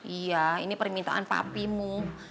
iya ini permintaan papimu